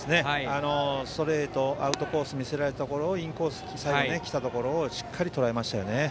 ストレートがアウトコースに見せられたところインコースに来たところをしっかりとらえましたね。